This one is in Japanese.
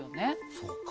そうか。